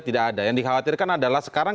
tidak ada yang dikhawatirkan adalah sekarang